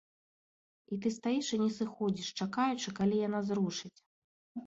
І ты стаіш і не сыходзіш, чакаючы, калі яна зрушыць.